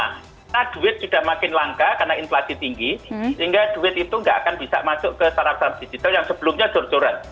karena duit sudah makin langka karena inflasi tinggi sehingga duit itu nggak akan bisa masuk ke startup startup digital yang sebelumnya jor joran